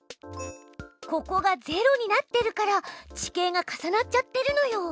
ここが０になってるから地形が重なっちゃってるのよ。